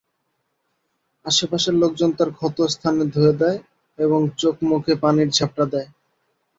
আশে-পাশের লোকজন তার ক্ষত স্থান ধুয়ে দেয় এবং চোখ-মুখে পানির ঝাপটা দেয়।